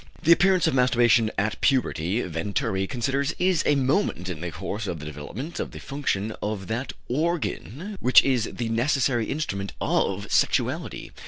The appearance of masturbation at puberty, Venturi considers, "is a moment in the course of the development of the function of that organ which is the necessary instrument of sexuality."